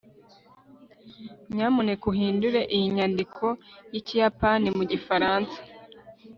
nyamuneka uhindure iyi nyandiko yikiyapani mugifaransa